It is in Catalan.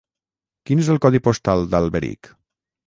Quin és el codi postal d'Alberic?